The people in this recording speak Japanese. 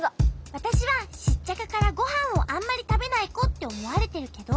わたしはシッチャカからごはんをあんまりたべないこっておもわれてるけど。